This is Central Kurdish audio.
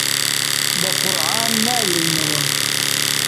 بە قورعان نایەینەوە!